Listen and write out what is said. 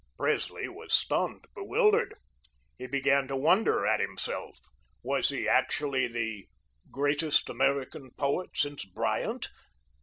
Presley was stunned, bewildered. He began to wonder at himself. Was he actually the "greatest American poet since Bryant"?